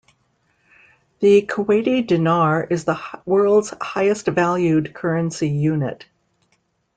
The Kuwaiti dinar is the world's highest-valued currency unit.